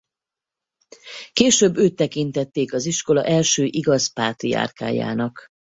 Később őt tekintették az iskola első igaz pátriárkájának.